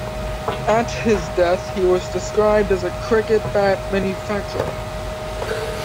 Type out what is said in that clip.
At his death he was described as a "cricket bat manufacturer".